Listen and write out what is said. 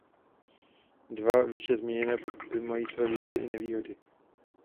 Dva výše zmíněné postupy mají své výhody i nevýhody.